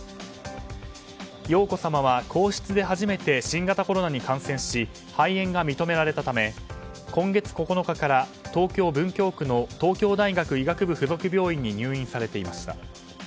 瑶子さまは皇室で初めて新型コロナに感染し肺炎が認められたため今月９日から東京・文京区の東京大学医学部附属病院に入院されていました。